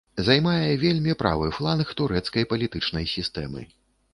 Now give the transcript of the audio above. Займае вельмі правы фланг турэцкай палітычнай сістэмы.